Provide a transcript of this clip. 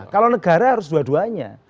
kalau negara harus dua duanya